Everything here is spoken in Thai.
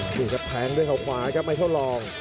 นี่ครับแพงด้วยข้าวขวาครับไม่เท่ารอง